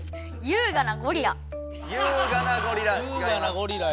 「優雅なゴリラ」。